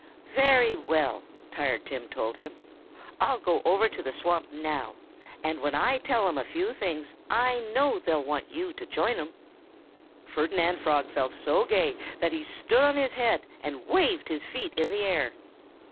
"Very well!" Tired Tim told him. "I'll go right over to the swamp now. And when I tell 'em a few things, I know they'll want you to join 'em." Ferdinand Frog felt so gay that he stood on his head and waved his feet in the air.